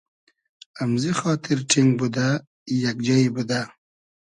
امزی خاتیر ݖینگ بودۂ, یئگ جݷ بودۂ